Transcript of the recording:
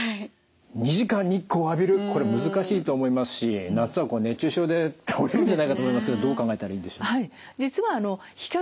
２時間日光を浴びるこれ難しいと思いますし夏は熱中症で倒れるんじゃないかと思いますけどどう考えたらいいんでしょう。